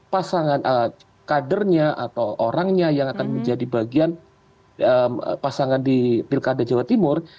pasangan kadernya atau orangnya yang akan menjadi bagian pasangan di pilkada jawa timur